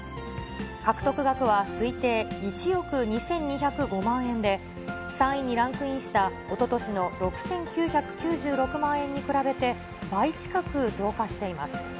獲得額は推定１億２２０５万円で、３位にランクインしたおととしの６９９６万円に比べて、倍近く増加しています。